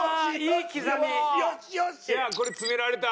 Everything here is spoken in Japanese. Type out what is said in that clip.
いやあこれ詰められた！